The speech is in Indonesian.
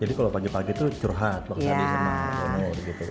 jadi kalau pagi pagi itu curhat waktu tadi sama tenur gitu